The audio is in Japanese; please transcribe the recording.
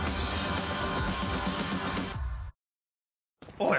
おい！